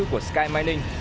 của sky mining